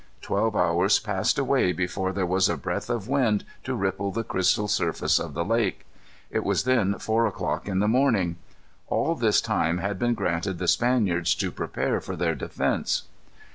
Twelve hours passed away before there was a breath of wind to ripple the crystal surface of the lake. It was then four o'clock in the morning. All this time had been granted the Spaniards to prepare for their defence.